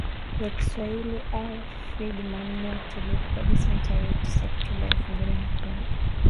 ya kiswahili rfi jumanne tulivu kabisa ya tarehe tisa oktoba elfu mbili na kumi